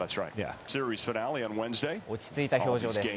落ち着いた表情です。